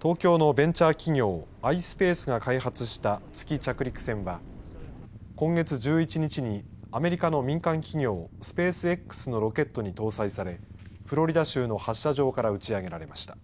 東京のベンチャー企業ｉｓｐａｃｅが開発した月着陸船は今月１１日にアメリカの民間企業スペースＸのロケットに搭載されフロリダ州の発射場から打ち上げられました。